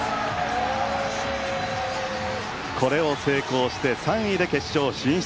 これを成功して３位で決勝進出。